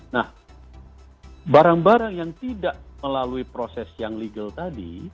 nah barang barang yang tidak melalui proses yang legal tadi